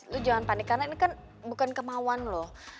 lo jangan panik karena ini kan bukan kemauan lo